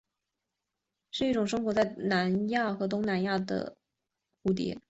是一种生活在南亚和东南亚的蛱蝶科蝴蝶。